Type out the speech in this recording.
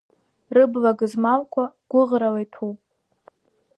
Рыбла гызмалқәа гәыӷрала иҭәуп.